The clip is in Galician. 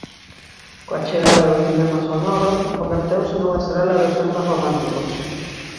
Coa chegada do cinema sonoro converteuse nunha estrela dos filmes románticos.